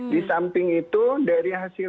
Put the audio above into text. di samping itu dari hasil